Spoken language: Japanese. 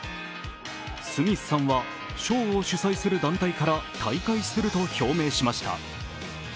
スミスさんは賞を主催する団体から退会すると表明しました。